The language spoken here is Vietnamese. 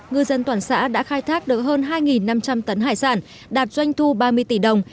ngư dân toàn xã đã khai thác được hơn hai năm trăm linh tấn hải sản đạt doanh thu ba mươi tỷ đồng